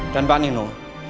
dan pak nino